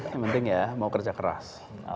yang penting ya mau kerja keras